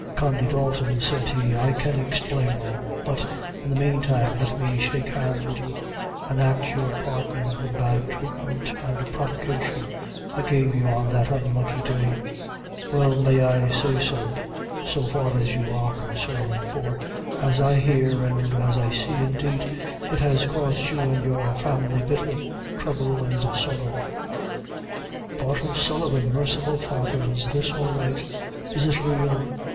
Condy Dalton," said he, "I can explain all; but in the mane time let me shake hands wid you, and ax your pardon for the bad tratement and provocation I gave you on that unlucky day well may I say so, so far as you are concerned for, as I hear, an' as I see, indeed, it has caused you and your family bitter trouble and sorrow." "Bartle Sullivan! Merciful Father, is this all right? is it real?